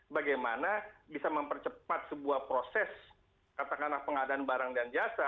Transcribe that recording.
bagaimana bisa mempercepat sebuah proses katakanlah pengadaan barang dan jasa